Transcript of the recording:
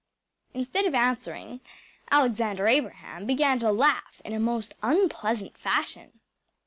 ‚ÄĚ Instead of answering Alexander Abraham began to laugh in a most unpleasant fashion.